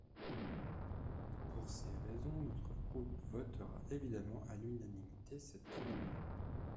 Pour ces raisons, notre groupe votera évidemment à l’unanimité cet amendement.